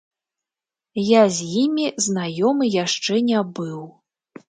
Я з імі знаёмы яшчэ не быў.